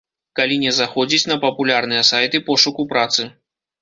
Калі не заходзіць на папулярныя сайты пошуку працы.